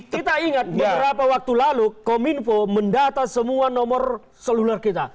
kita ingat beberapa waktu lalu kominfo mendata semua nomor seluler kita